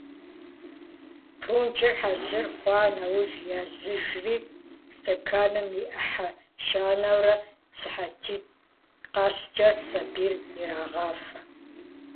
Прунжыр хьэзыр хъуа нэужь языжри, стэканым и Ӏыхьэ щанэурэ сыхьэтитӀ къэскӀэ сабийр ирагъафэ.